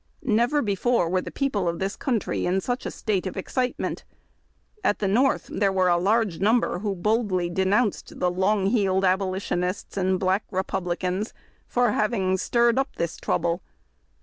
Never before were the people of this country in such a state of excitement. At the North there were a large number who boldly denounced the "Long heeled Abolitionists"' and "Black Republicans" for having stirred up this trouble.